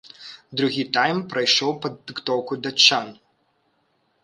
Другі тайм прайшоў пад дыктоўку датчан.